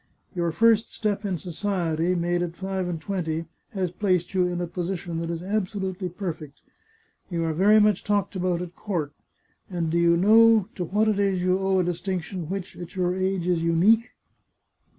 Your first step in society, made at five and twenty, has placed you in a posi tion that is absolutely perfect. You are very much talked about at court, And do you know to what it is you owe a distinction which, at your age, is unique